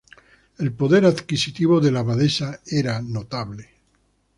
El poder adquisitivo de la abadesa era notable.